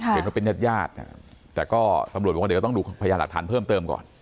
เห็นว่าเป็นญาติญาติแต่ก็ตำรวจบอกว่าเดี๋ยวก็ต้องดูพยานหลักฐานเพิ่มเติมก่อน